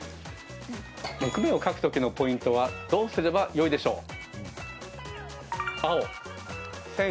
木目を描くときのポイントはどうすればよいでしょう？